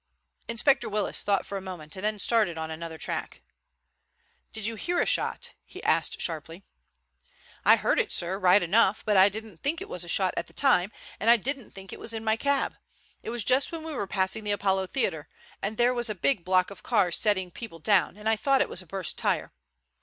Inspector Willis thought for a moment and then started on another tack. "Did you hear a shot?" he asked sharply. "I heard it, sir, right enough, but I didn't think it was a shot at the time, and I didn't think it was in my cab. It was just when we were passing the Apollo Theater, and there was a big block of cars setting people down, and I thought it was a burst tire.